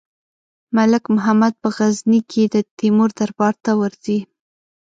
ملک محمد په غزني کې د تیمور دربار ته ورځي.